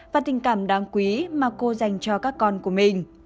và tình cảm đáng quý mà cô dành cho các con của mình